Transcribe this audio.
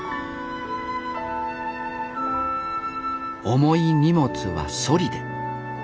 重い荷物はそりで。